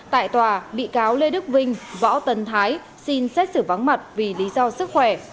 tại tòa bị cáo lê đức vinh võ tân thái xin xét xử vắng mặt vì lý do sức khỏe